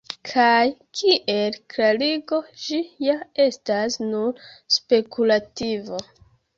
Kaj kiel klarigo ĝi ja estas nur spekulativo.